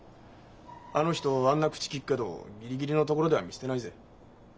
あの人あんな口きくけどギリギリのところでは見捨てないぜ。